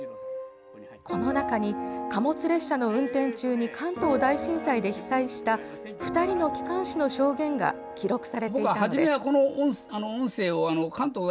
この中に、貨物列車の運転中に関東大震災で被災した２人の機関手の証言が記録されていたんです。